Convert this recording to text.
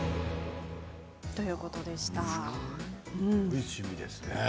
いい趣味ですね。